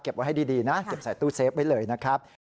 ไว้ให้ดีนะเก็บใส่ตู้เซฟไว้เลยนะครับ